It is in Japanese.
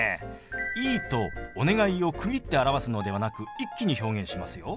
「いい」と「お願い」を区切って表すのではなく一気に表現しますよ。